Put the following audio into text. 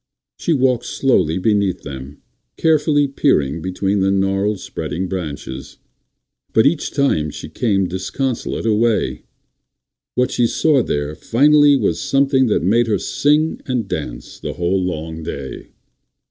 She walked slowly beneath them, carefully peering between the gnarled, spreading branches. But each time she came disconsolate away again. What she saw there finally was something that made her sing and dance the whole long day.